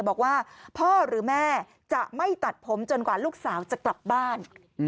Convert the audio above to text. บอกว่าพ่อหรือแม่จะไม่ตัดผมจนกว่าลูกสาวจะกลับบ้าน